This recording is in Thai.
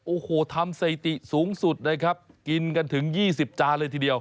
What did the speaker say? โอ้โหทำสถิติสูงสุดนะครับกินกันถึง๒๐จานเลยทีเดียว